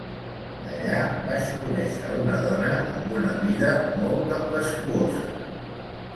Allà vaig conèixer una dona amb una vida molt tempestuosa.